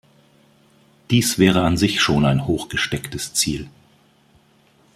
Dies wäre an sich schon ein hochgestecktes Ziel.